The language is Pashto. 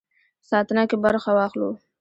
ساتنه کې برخه واخلو.